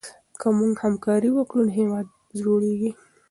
که موږ همکاري وکړو نو هېواد جوړېږي.